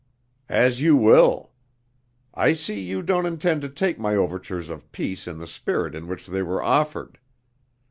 "As you will. I see you don't intend to take my overtures of peace in the spirit in which they were offered.